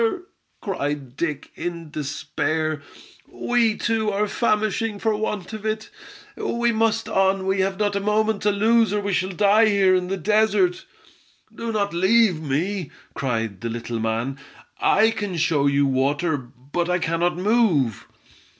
cried Dick, in despair. "We, too, are famishing for want of it! We must on, we have not a moment to lose, or we shall die here in the desert." "Do not leave me," cried the little man. "I can show you water, but I cannot move!"